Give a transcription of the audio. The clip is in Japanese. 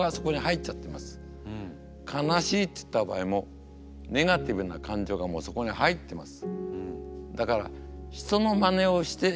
悲しいっていった場合もネガティブな感情がもうそこに入っています。